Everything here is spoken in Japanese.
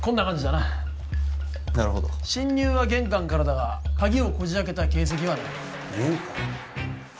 なるほど侵入は玄関からだが鍵をこじ開けた形跡はない玄関？